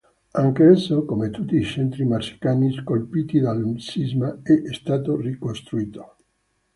Anch'esso, come tutti i centri marsicani colpiti dal sisma, è stato ricostruito.